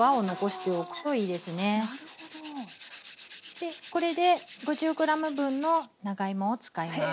でこれで５０ｇ分の長芋を使います。